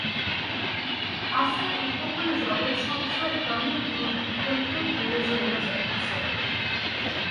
আশ্রয় উপকূল জগৎ-সংসার ক্রমেই দূর হইতে দূরে চলিয়া যাইতেছে।